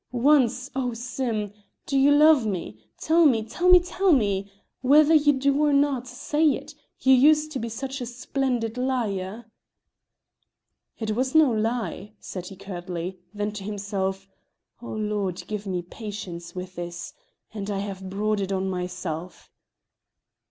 "Once oh, Sim, do you love me? Tell me, tell me, tell me! Whether you do or not, say it, you used to be such a splendid liar." "It was no lie," said he curtly; then to himself: "Oh, Lord, give me patience with this! and I have brought it on myself."